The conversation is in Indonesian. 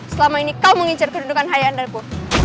selama ini kau mengincar kedudukan ayahandaku